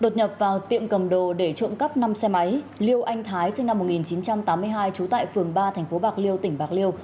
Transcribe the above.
đột nhập vào tiệm cầm đồ để trộm cắp năm xe máy liêu anh thái sinh năm một nghìn chín trăm tám mươi hai trú tại phường ba thành phố bạc liêu tỉnh bạc liêu